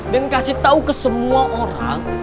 dan kasih tau ke semua orang